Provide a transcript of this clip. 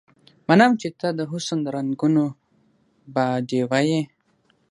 منم چې ته د حسن د رنګونو باډيوه يې